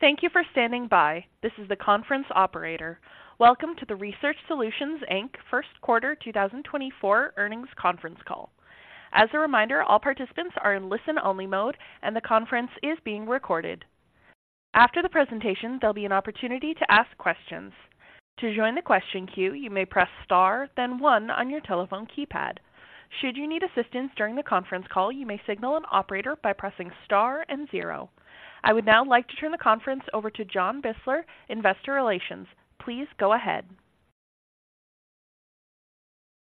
Thank you for standing by. This is the conference operator. Welcome to the Research Solutions, Inc. First Quarter 2024 Earnings Conference Call. As a reminder, all participants are in listen-only mode, and the conference is being recorded. After the presentation, there'll be an opportunity to ask questions. To join the question queue, you may press Star, then one on your telephone keypad. Should you need assistance during the conference call, you may signal an operator by pressing Star and zero. I would now like to turn the conference over to John Beisler, Investor Relations. Please go ahead.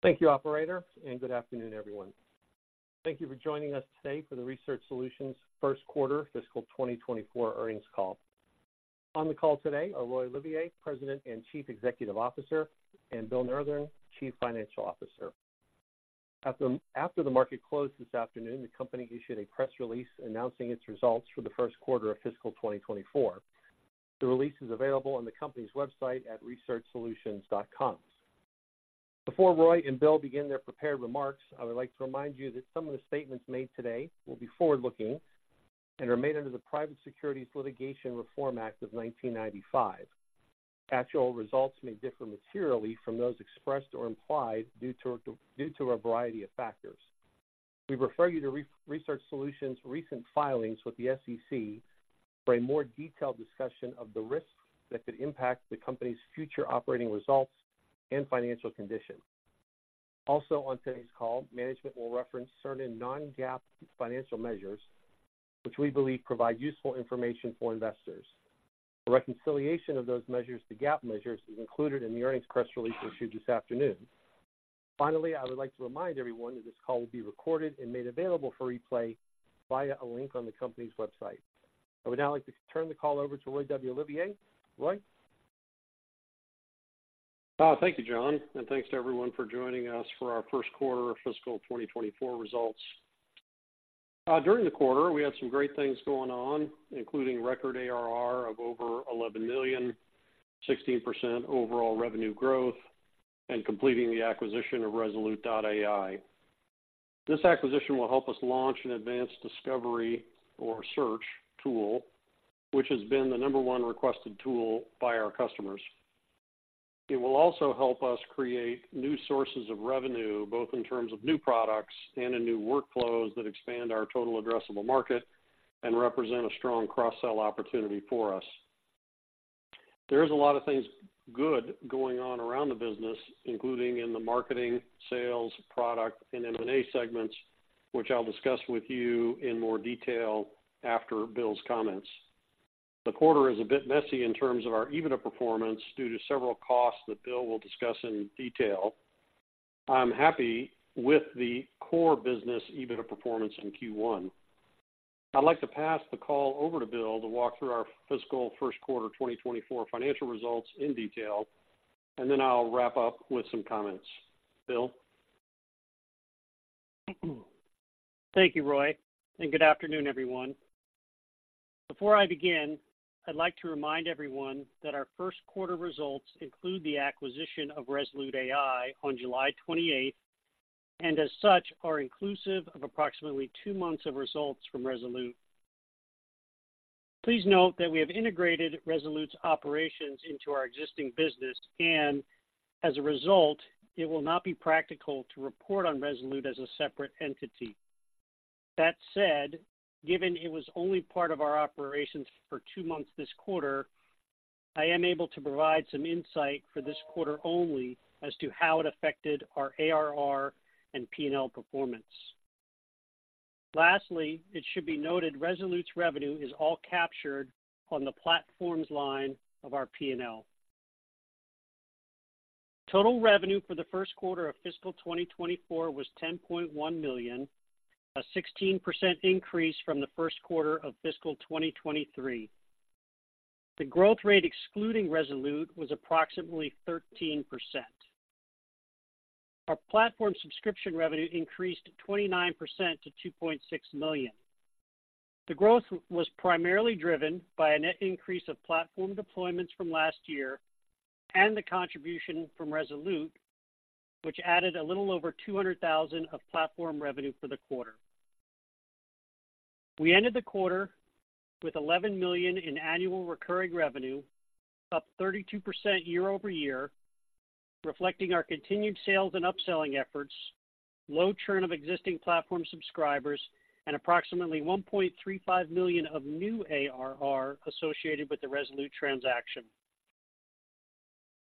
Thank you, operator, and good afternoon, everyone. Thank you for joining us today for the Research Solutions first quarter fiscal 2024 earnings call. On the call today are Roy Olivier, President and Chief Executive Officer, and Bill Nurthen, Chief Financial Officer. After the market closed this afternoon, the company issued a press release announcing its results for the first quarter of fiscal 2024. The release is available on the company's website at researchsolutions.com. Before Roy and Bill begin their prepared remarks, I would like to remind you that some of the statements made today will be forward-looking and are made under the Private Securities Litigation Reform Act of 1995. Actual results may differ materially from those expressed or implied due to a variety of factors. We refer you to Research Solutions' recent filings with the SEC for a more detailed discussion of the risks that could impact the company's future operating results and financial condition. Also, on today's call, management will reference certain non-GAAP financial measures, which we believe provide useful information for investors. A reconciliation of those measures to GAAP measures is included in the earnings press release issued this afternoon. Finally, I would like to remind everyone that this call will be recorded and made available for replay via a link on the company's website. I would now like to turn the call over to Roy W. Olivier. Roy? Thank you, John, and thanks to everyone for joining us for our first quarter of fiscal 2024 results. During the quarter, we had some great things going on, including record ARR of over $11 million, 16% overall revenue growth, and completing the acquisition of ResoluteAI. This acquisition will help us launch an advanced discovery or search tool, which has been the number one requested tool by our customers. It will also help us create new sources of revenue, both in terms of new products and in new workflows that expand our total addressable market and represent a strong cross-sell opportunity for us. There's a lot of things good going on around the business, including in the marketing, sales, product, and M&A segments, which I'll discuss with you in more detail after Bill's comments. The quarter is a bit messy in terms of our EBITDA performance, due to several costs that Bill will discuss in detail. I'm happy with the core business EBITDA performance in Q1. I'd like to pass the call over to Bill to walk through our fiscal first quarter 2024 financial results in detail, and then I'll wrap up with some comments. Bill? Thank you, Roy, and good afternoon, everyone. Before I begin, I'd like to remind everyone that our first quarter results include the acquisition of ResoluteAI on July 28, and as such, are inclusive of approximately two months of results from ResoluteAI. Please note that we have integrated ResoluteAI's operations into our existing business, and as a result, it will not be practical to report on ResoluteAI as a separate entity. That said, given it was only part of our operations for two months this quarter, I am able to provide some insight for this quarter only as to how it affected our ARR and P&L performance. Lastly, it should be noted ResoluteAI's revenue is all captured on the platforms line of our P&L. Total revenue for the first quarter of fiscal 2024 was $10.1 million, a 16% increase from the first quarter of fiscal 2023. The growth rate, excluding Resolute, was approximately 13%. Our platform subscription revenue increased 29% to $2.6 million. The growth was primarily driven by a net increase of platform deployments from last year and the contribution from Resolute, which added a little over $200,000 of platform revenue for the quarter. We ended the quarter with $11 million in annual recurring revenue, up 32% year over year, reflecting our continued sales and upselling efforts, low churn of existing platform subscribers, and approximately $1.35 million of new ARR associated with the Resolute transaction.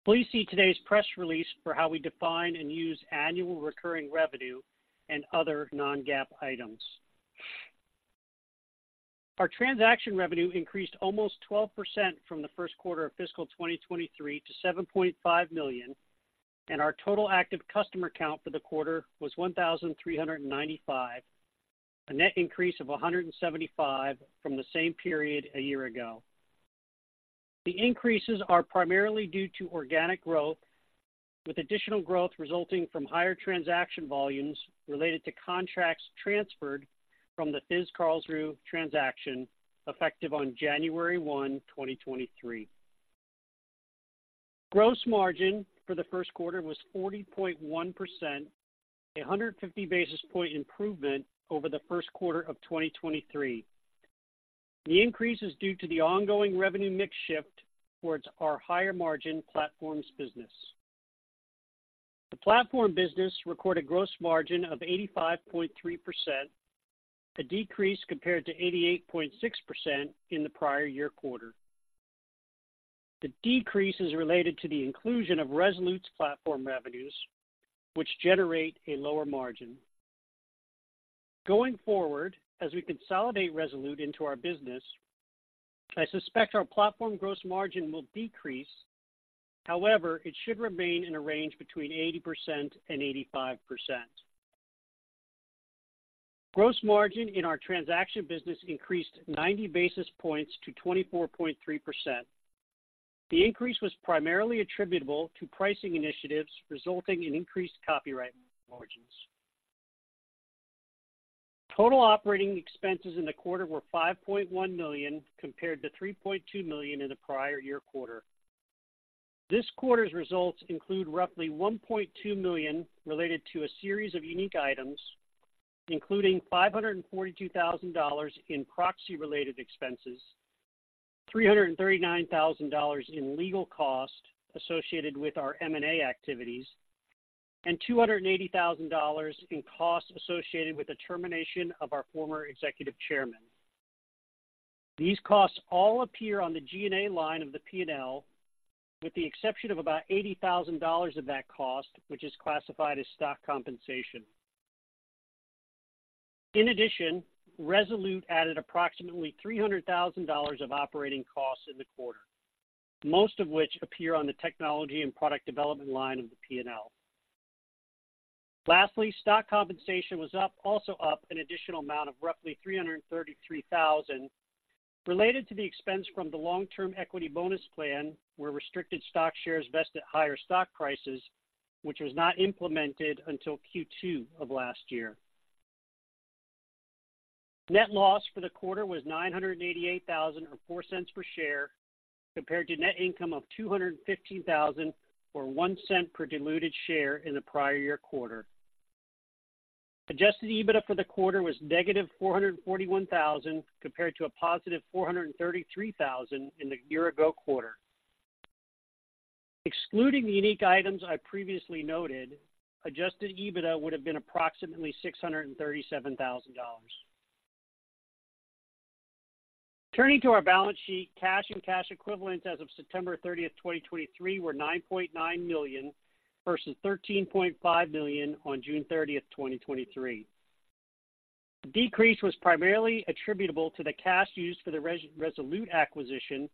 Please see today's press release for how we define and use annual recurring revenue and other non-GAAP items. Our transaction revenue increased almost 12% from the first quarter of fiscal 2023 to $7.5 million, and our total active customer count for the quarter was 1,395, a net increase of 175 from the same period a year ago. The increases are primarily due to organic growth, with additional growth resulting from higher transaction volumes related to contracts transferred from the FIZ Karlsruhe transaction, effective on January 1, 2023.... Gross margin for the first quarter was 40.1%, a 150 basis point improvement over the first quarter of 2023. The increase is due to the ongoing revenue mix shift towards our higher-margin platforms business. The platform business recorded gross margin of 85.3%, a decrease compared to 88.6% in the prior year quarter. The decrease is related to the inclusion of Resolute's platform revenues, which generate a lower margin. Going forward, as we consolidate Resolute into our business, I suspect our platform gross margin will decrease. However, it should remain in a range between 80% and 85%. Gross margin in our transaction business increased 90 basis points to 24.3%. The increase was primarily attributable to pricing initiatives, resulting in increased copyright margins. Total operating expenses in the quarter were $5.1 million, compared to $3.2 million in the prior year quarter. This quarter's results include roughly $1.2 million related to a series of unique items, including $542,000 in proxy-related expenses, $339,000 in legal costs associated with our M&A activities, and $280,000 in costs associated with the termination of our former executive chairman. These costs all appear on the G&A line of the P&L, with the exception of about $80,000 of that cost, which is classified as stock compensation. In addition, Resolute added approximately $300,000 of operating costs in the quarter, most of which appear on the technology and product development line of the P&L. Lastly, stock compensation was up, also up an additional amount of roughly $333,000, related to the expense from the long-term equity bonus plan, where restricted stock shares vest at higher stock prices, which was not implemented until Q2 of last year. Net loss for the quarter was -$988,000, or $0.04 per share, compared to net income of $215,000, or $0.01 per diluted share in the prior year quarter. Adjusted EBITDA for the quarter was -$441,000, compared to a positive $433,000 in the year-ago quarter. Excluding the unique items I previously noted, adjusted EBITDA would have been approximately $637,000. Turning to our balance sheet, cash and cash equivalents as of September 30, 2023, were $9.9 million, versus $13.5 million on June 30, 2023. The decrease was primarily attributable to the cash used for the Resolute acquisition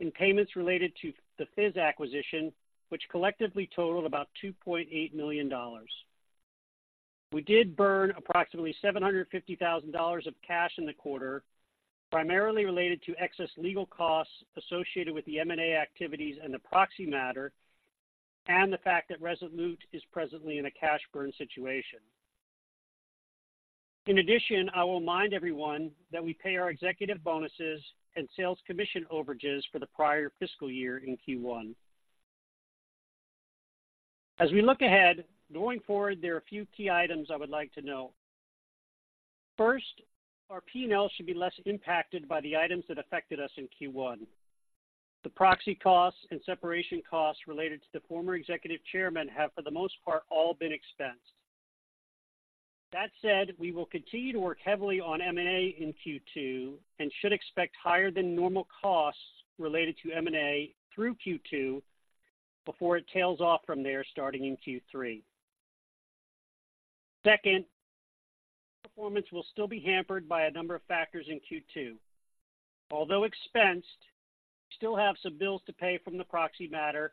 and payments related to the FIZ acquisition, which collectively totaled about $2.8 million. We did burn approximately $750,000 of cash in the quarter, primarily related to excess legal costs associated with the M&A activities and the proxy matter, and the fact that Resolute is presently in a cash burn situation. In addition, I will remind everyone that we pay our executive bonuses and sales commission overages for the prior fiscal year in Q1. As we look ahead, going forward, there are a few key items I would like to know. First, our P&L should be less impacted by the items that affected us in Q1. The proxy costs and separation costs related to the former executive chairman have, for the most part, all been expensed. That said, we will continue to work heavily on M&A in Q2 and should expect higher than normal costs related to M&A through Q2 before it tails off from there, starting in Q3. Second, performance will still be hampered by a number of factors in Q2. Although expensed, we still have some bills to pay from the proxy matter.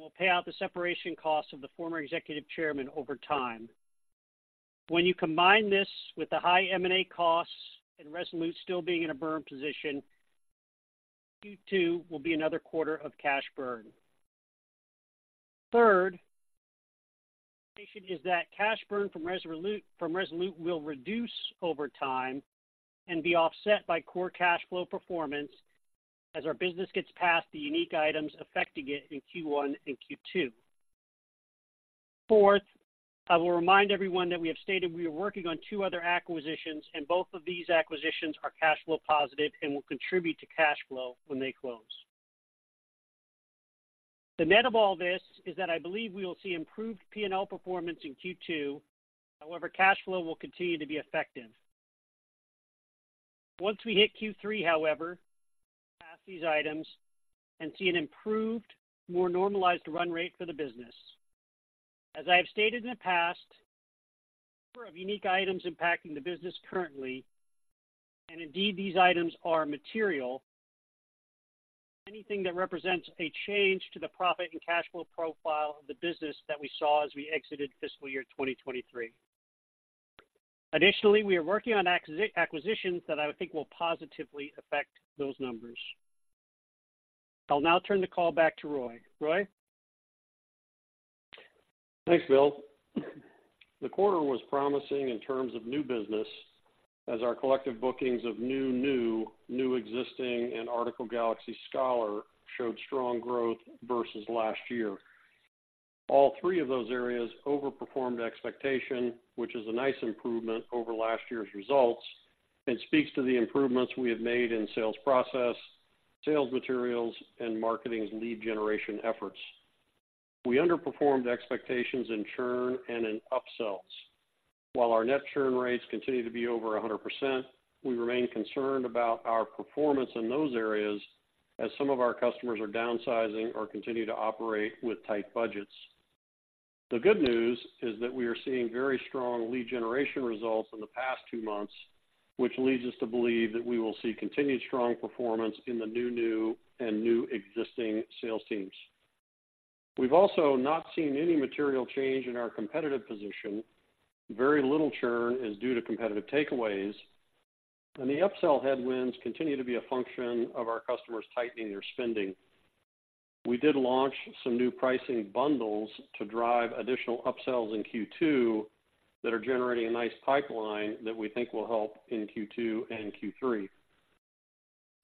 We'll pay out the separation costs of the former executive chairman over time. When you combine this with the high M&A costs and Resolute still being in a burn position, Q2 will be another quarter of cash burn. Third, is that cash burn from Resolute, from Resolute will reduce over time and be offset by core cash flow performance as our business gets past the unique items affecting it in Q1 and Q2. Fourth, I will remind everyone that we have stated we are working on two other acquisitions, and both of these acquisitions are cash flow positive and will contribute to cash flow when they close. The net of all this is that I believe we will see improved P&L performance in Q2. However, cash flow will continue to be effective. Once we hit Q3, however, pass these items and see an improved, more normalized run rate for the business. As I have stated in the past, number of unique items impacting the business currently, and indeed, these items are material, anything that represents a change to the profit and cash flow profile of the business that we saw as we exited fiscal year 2023. Additionally, we are working on acquisitions that I think will positively affect those numbers. I'll now turn the call back to Roy. Roy? Thanks, Bill. The quarter was promising in terms of new business, as our collective bookings of new, new existing, and Article Galaxy Scholar showed strong growth versus last year. All three of those areas overperformed expectation, which is a nice improvement over last year's results and speaks to the improvements we have made in sales process, sales materials, and marketing's lead generation efforts. We underperformed expectations in churn and in upsells. While our net churn rates continue to be over 100%, we remain concerned about our performance in those areas as some of our customers are downsizing or continue to operate with tight budgets. The good news is that we are seeing very strong lead generation results in the past two months, which leads us to believe that we will see continued strong performance in the new, new existing sales teams. We've also not seen any material change in our competitive position. Very little churn is due to competitive takeaways, and the upsell headwinds continue to be a function of our customers tightening their spending. We did launch some new pricing bundles to drive additional upsells in Q2 that are generating a nice pipeline that we think will help in Q2 and Q3.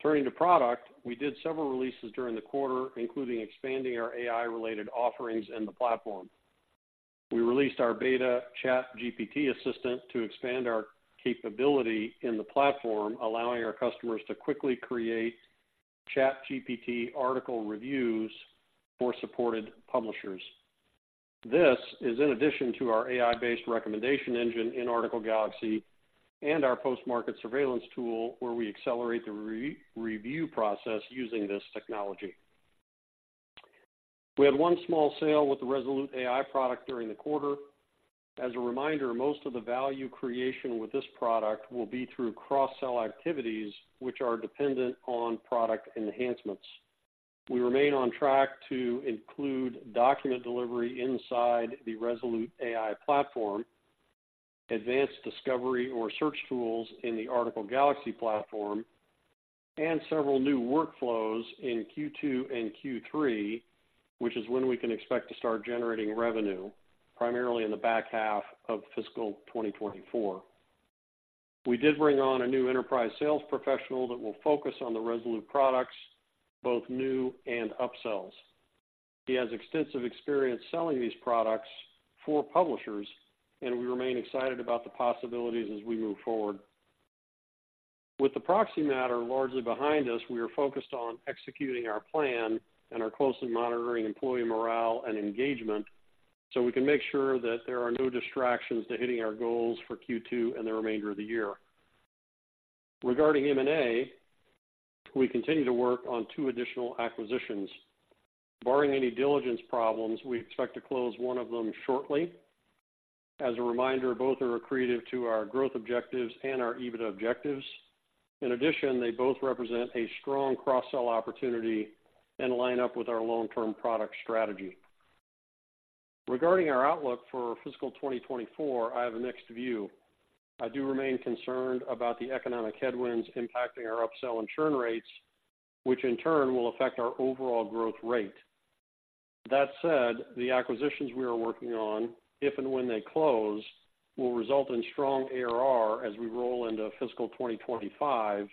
Turning to product, we did several releases during the quarter, including expanding our AI-related offerings in the platform. We released our beta ChatGPT Assistant to expand our capability in the platform, allowing our customers to quickly create ChatGPT article reviews for supported publishers. This is in addition to our AI-based recommendation engine in Article Galaxy and our post-market surveillance tool, where we accelerate the re-review process using this technology. We had one small sale with the ResoluteAI product during the quarter. As a reminder, most of the value creation with this product will be through cross-sell activities, which are dependent on product enhancements. We remain on track to include document delivery inside the ResoluteAI platform, advanced discovery or search tools in the Article Galaxy platform, and several new workflows in Q2 and Q3, which is when we can expect to start generating revenue, primarily in the back half of fiscal 2024. We did bring on a new enterprise sales professional that will focus on the ResoluteAI products, both new and upsells. He has extensive experience selling these products for publishers, and we remain excited about the possibilities as we move forward. With the proxy matter largely behind us, we are focused on executing our plan and are closely monitoring employee morale and engagement, so we can make sure that there are no distractions to hitting our goals for Q2 and the remainder of the year. Regarding M&A, we continue to work on two additional acquisitions. Barring any diligence problems, we expect to close one of them shortly. As a reminder, both are accretive to our growth objectives and our EBITDA objectives. In addition, they both represent a strong cross-sell opportunity and line up with our long-term product strategy. Regarding our outlook for fiscal 2024, I have a mixed view. I do remain concerned about the economic headwinds impacting our upsell and churn rates, which in turn will affect our overall growth rate. That said, the acquisitions we are working on, if and when they close, will result in strong ARR as we roll into fiscal 2025,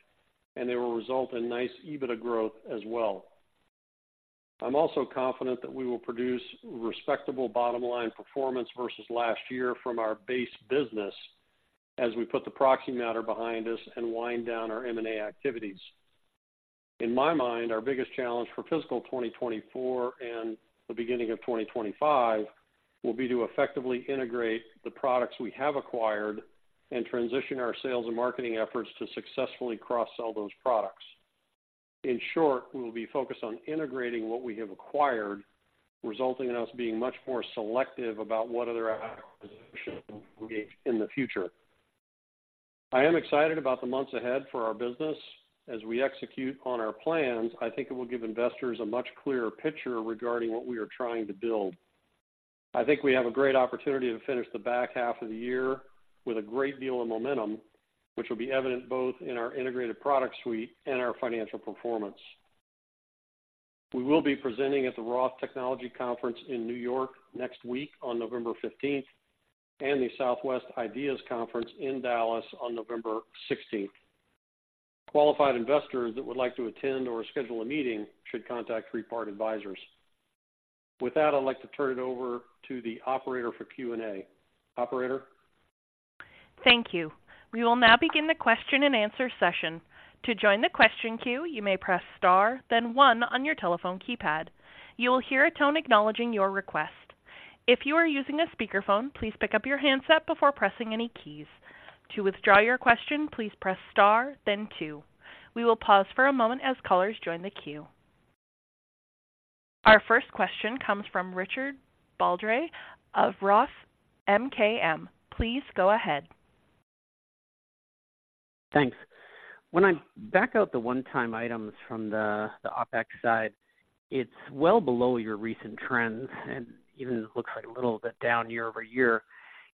and they will result in nice EBITDA growth as well. I'm also confident that we will produce respectable bottom-line performance versus last year from our base business as we put the proxy matter behind us and wind down our M&A activities. In my mind, our biggest challenge for fiscal 2024 and the beginning of 2025 will be to effectively integrate the products we have acquired and transition our sales and marketing efforts to successfully cross-sell those products. In short, we will be focused on integrating what we have acquired, resulting in us being much more selective about what other acquisitions we make in the future. I am excited about the months ahead for our business. As we execute on our plans, I think it will give investors a much clearer picture regarding what we are trying to build. I think we have a great opportunity to finish the back half of the year with a great deal of momentum, which will be evident both in our integrated product suite and our financial performance. We will be presenting at the Roth Technology Conference in New York next week on November fifteenth and the Southwest IDEAS Conference in Dallas on November sixteenth. Qualified investors that would like to attend or schedule a meeting should contact Three Part Advisors. With that, I'd like to turn it over to the operator for Q&A. Operator? Thank you. We will now begin the question-and-answer session. To join the question queue, you may press star, then one on your telephone keypad. You will hear a tone acknowledging your request. If you are using a speakerphone, please pick up your handset before pressing any keys. To withdraw your question, please press star, then two. We will pause for a moment as callers join the queue. Our first question comes from Richard Baldry of Roth MKM. Please go ahead. Thanks. When I back out the one-time items from the OpEx side, it's well below your recent trends, and even looks like a little bit down year-over-year.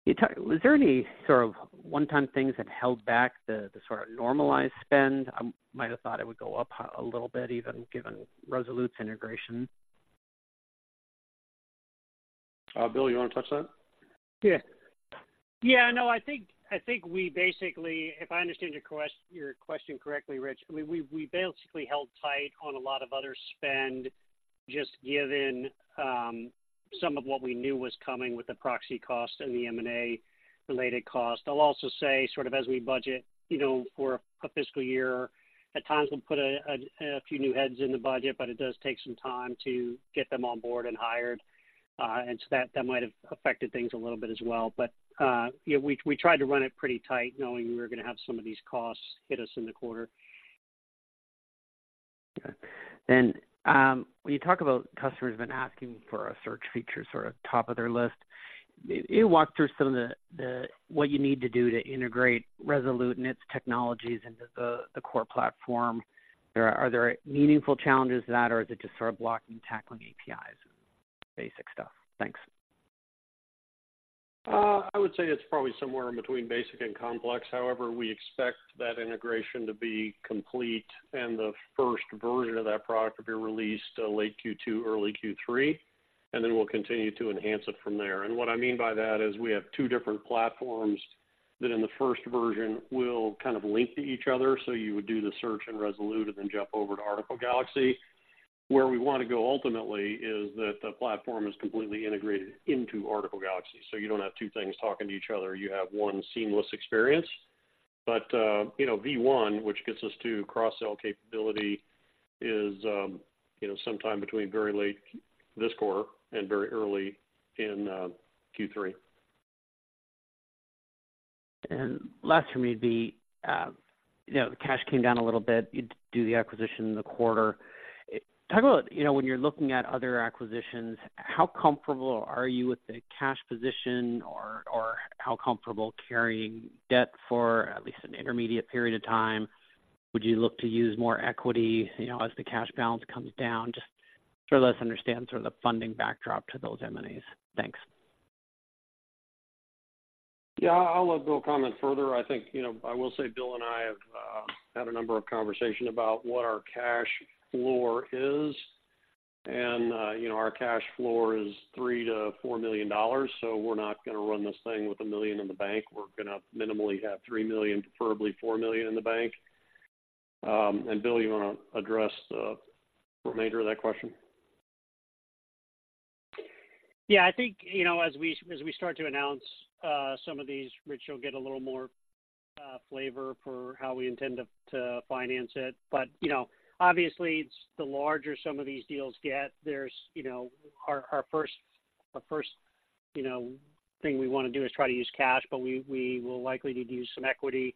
Can you talk? Was there any sort of one-time things that held back the sort of normalized spend? I might have thought it would go up a little bit, even given Resolute's integration. Bill, you want to touch that? Yeah. Yeah, no, I think we basically, if I understand your question correctly, Rich, we basically held tight on a lot of other spend, just given some of what we knew was coming with the proxy cost and the M&A-related cost. I'll also say, sort of as we budget, you know, for a fiscal year, at times we'll put a few new heads in the budget, but it does take some time to get them on board and hired. And so that might have affected things a little bit as well. But yeah, we tried to run it pretty tight, knowing we were going to have some of these costs hit us in the quarter. Okay. Then, when you talk about customers have been asking for a search feature, sort of top of their list, can you walk through some of the what you need to do to integrate Resolute and its technologies into the core platform? Are there meaningful challenges to that, or is it just sort of blocking and tackling APIs, basic stuff? Thanks. I would say it's probably somewhere in between basic and complex. However, we expect that integration to be complete, and the first version of that product to be released late Q2, early Q3, and then we'll continue to enhance it from there. And what I mean by that is we have two different platforms that in the first version will kind of link to each other. So you would do the search in Resolute and then jump over to Article Galaxy. Where we want to go ultimately is that the platform is completely integrated into Article Galaxy, so you don't have two things talking to each other, you have one seamless experience. But, you know, V1, which gets us to cross-sell capability, is, you know, sometime between very late this quarter and very early in Q3. And last for me, you know, the cash came down a little bit. You do the acquisition in the quarter. Talk about, you know, when you're looking at other acquisitions, how comfortable are you with the cash position or how comfortable carrying debt for at least an intermediate period of time? Would you look to use more equity, you know, as the cash balance comes down? Just sort of let us understand sort of the funding backdrop to those M&As. Thanks. Yeah, I'll let Bill comment further. I think, you know, I will say Bill and I have had a number of conversations about what our cash floor is. And, you know, our cash floor is $3 million-$4 million, so we're not going to run this thing with $1 million in the bank. We're going to minimally have $3 million, preferably $4 million in the bank. And Bill, you want to address the remainder of that question? Yeah, I think, you know, as we, as we start to announce, some of these, Rich, you'll get a little more, flavor for how we intend to, to finance it. But, you know, obviously, it's the larger some of these deals get, there's, you know... Our, our first, you know, thing we want to do is try to use cash, but we, we will likely need to use some equity,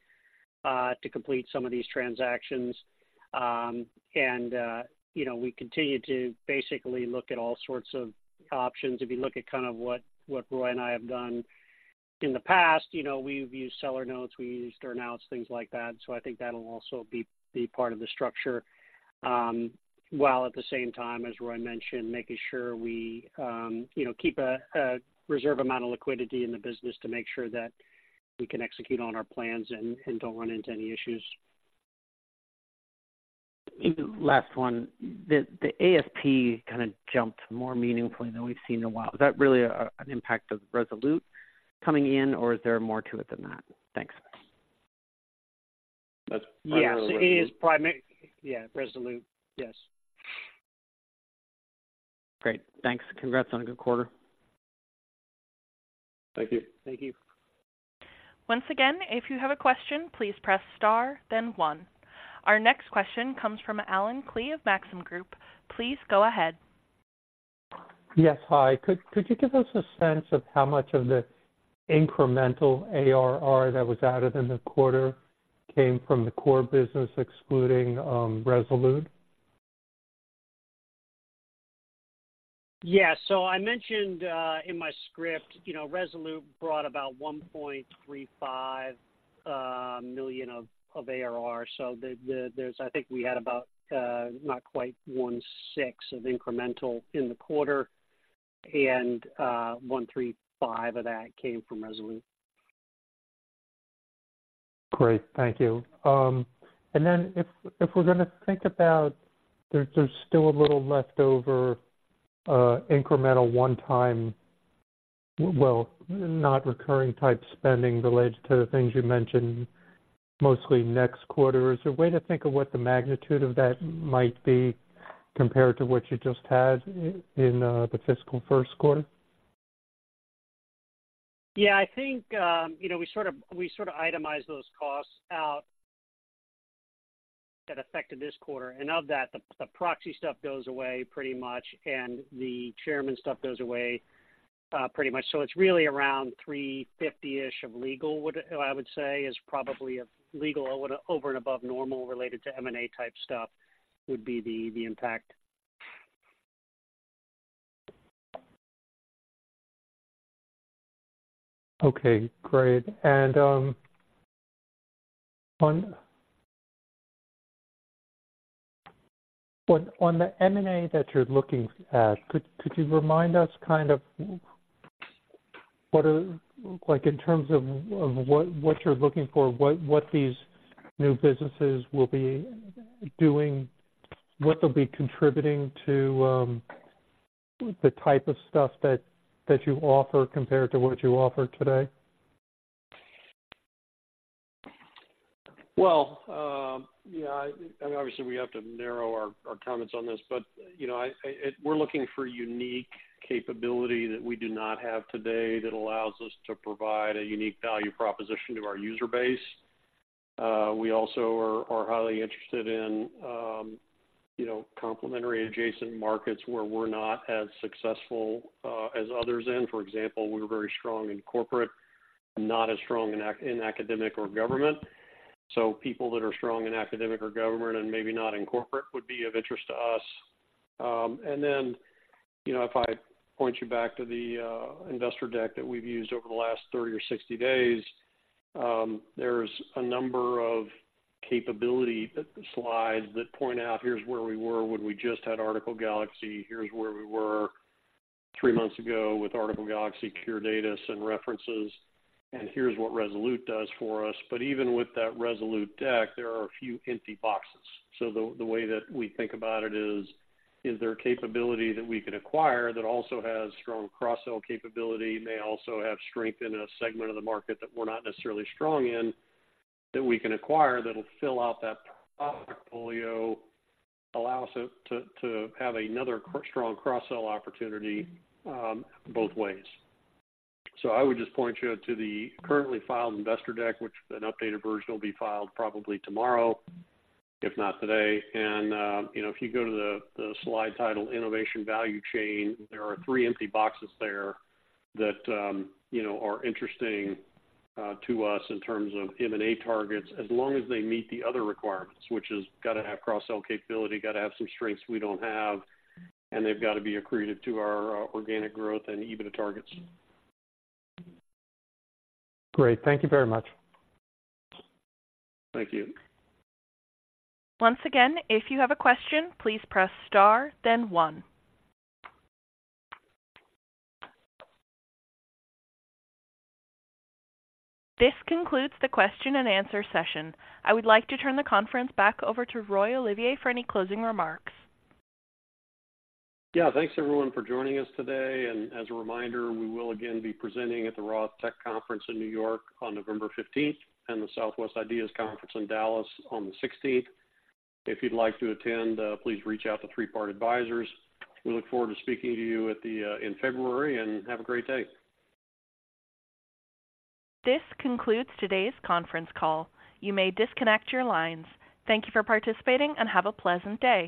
to complete some of these transactions. And, you know, we continue to basically look at all sorts of options. If you look at kind of what, what Roy and I have done in the past, you know, we've used seller notes, we used earn-outs, things like that. So I think that'll also be, be part of the structure. While at the same time, as Roy mentioned, making sure we, you know, keep a reserve amount of liquidity in the business to make sure that we can execute on our plans and don't run into any issues. Last one. The ASP kind of jumped more meaningfully than we've seen in a while. Is that really an impact of Resolute coming in, or is there more to it than that? Thanks. That's primarily- Yes, it is yeah, Resolute. Yes. Great. Thanks. Congrats on a good quarter. Thank you. Thank you. Once again, if you have a question, please press Star, then One. Our next question comes from Allen Klee of Maxim Group. Please go ahead. Yes. Hi. Could you give us a sense of how much of the incremental ARR that was added in the quarter came from the core business excluding Resolute? Yeah. So I mentioned in my script, you know, Resolute brought about $1.35 million of ARR. So there's, I think we had about not quite one-sixth of incremental in the quarter, and $1.35 million of that came from Resolute. Great. Thank you. And then if we're going to think about, there's still a little leftover, incremental one-time, well, not recurring type spending related to the things you mentioned mostly next quarter, is there a way to think of what the magnitude of that might be compared to what you just had in the fiscal first quarter? Yeah, I think, you know, we sort of, we sort of itemized those costs out that affected this quarter, and of that, the proxy stuff goes away pretty much, and the chairman stuff goes away pretty much. So it's really around $350-ish of legal, I would say, is probably a legal over and above normal related to M&A type stuff would be the impact. Okay, great. And on the M&A that you're looking at, could you remind us kind of what are, like, in terms of what you're looking for, what these new businesses will be doing, what they'll be contributing to the type of stuff that you offer compared to what you offer today? Well, yeah, I mean, obviously, we have to narrow our comments on this, but, you know, we're looking for unique capability that we do not have today that allows us to provide a unique value proposition to our user base. We also are highly interested in, you know, complementary adjacent markets where we're not as successful as others in. For example, we're very strong in corporate and not as strong in academic or government. So people that are strong in academic or government and maybe not in corporate would be of interest to us. And then, you know, if I point you back to the investor deck that we've used over the last 30 or 60 days, there's a number of capability that the slides that point out, here's where we were when we just had Article Galaxy. Here's where we were three months ago with Article Galaxy, CureData, and References, and here's what Resolute does for us. But even with that Resolute deck, there are a few empty boxes. So the way that we think about it is: Is there a capability that we can acquire that also has strong cross-sell capability, may also have strength in a segment of the market that we're not necessarily strong in, that we can acquire, that'll fill out that product portfolio, allows it to have another strong cross-sell opportunity, both ways? So I would just point you to the currently filed investor deck, which an updated version will be filed probably tomorrow, if not today. You know, if you go to the slide titled Innovation Value Chain, there are three empty boxes there that, you know, are interesting to us in terms of M&A targets, as long as they meet the other requirements, which is got to have cross-sell capability, got to have some strengths we don't have, and they've got to be accretive to our organic growth and EBITDA targets. Great. Thank you very much. Thank you. Once again, if you have a question, please press Star, then one. This concludes the question-and-answer session. I would like to turn the conference back over to Roy Olivier for any closing remarks. Yeah, thanks, everyone, for joining us today. As a reminder, we will again be presenting at the Roth Tech Conference in New York on November fifteenth and the Southwest IDEAS Conference in Dallas on the sixteenth. If you'd like to attend, please reach out to Three Part Advisors. We look forward to speaking to you at the, in February, and have a great day. This concludes today's conference call. You may disconnect your lines. Thank you for participating and have a pleasant day.